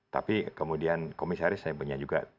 tapi kemudian komisaris saya punya juga